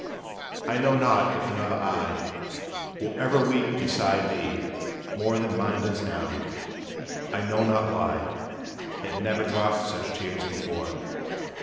I know not if another eye Will ever weep beside thee, more Than mine does now, I know not why It never dropped such tears before.